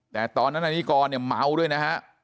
แต่ตอนนั้นนายนิกรเนี่ยเมาด้วยนะฮะ